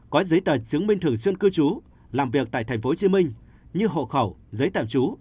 có giấy tờ chứng minh thường xuyên cư trú làm việc tại tp hcm như hộ khẩu giấy tạm trú